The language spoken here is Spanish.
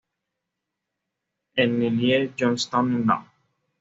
El Nellie Johnstone No.